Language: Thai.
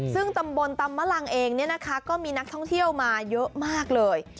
ซึ่งตำบลตำมะลังเองเนี่ยนะคะก็มีนักท่องเที่ยวมาเยอะมากเลย